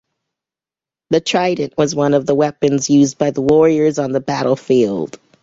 The Trident was one of the weapons used by the warriors on the battlefield.